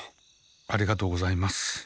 ありがとうございます。